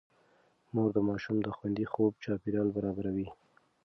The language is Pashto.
مور د ماشوم د خوندي خوب چاپېريال برابروي.